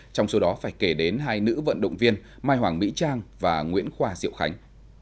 trong số đó phải kể đến hai nữ vận động viên mai hoàng mỹ trang và nguyễn khoa diệu khánh